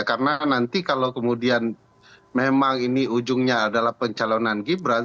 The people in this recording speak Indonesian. karena nanti kalau kemudian memang ini ujungnya adalah pencalonan gibran